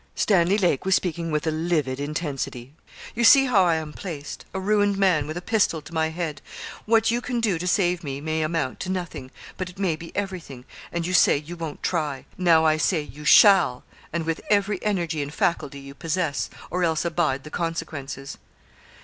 Stanley Lake was speaking with a livid intensity. 'You see how I'm placed; a ruined man, with a pistol to my head; what you can do to save me may amount to nothing, but it may be everything, and you say you won't try! Now I say you shall, and with every energy and faculty you possess, or else abide the consequences.'